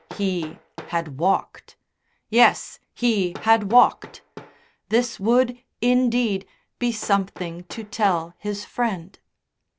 He had walked; yes, he had walked. This would, indeed, be something to tell his Friend.